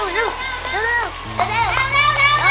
เต้นตัว